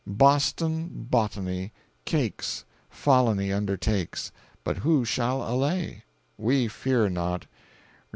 Boston, botany, cakes, folony undertakes, but who shall allay? We fear not.